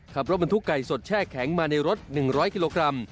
ขับรถบรรทุกไก่สดแช่แข็งมาในรถ๑๐๐กิโลกรัม